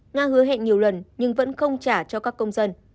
nga hứa hẹn nhiều lần nhưng vẫn không trả cho các công dân